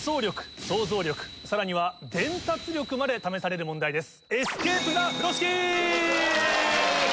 さらには伝達力まで試される問題です。